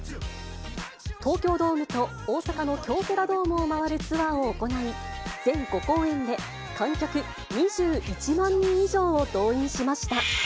東京ドームと大阪の京セラドームを回るツアーを行い、全５公演で観客２１万人以上を動員しました。